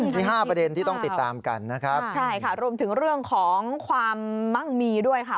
มีห้าประเด็นที่ต้องติดตามกันนะครับใช่ค่ะรวมถึงเรื่องของความมั่งมีด้วยค่ะ